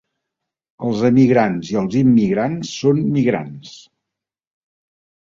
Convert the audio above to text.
Els emigrants i els immigrants són migrants.